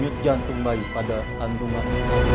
umiut jantung bayi pada antuman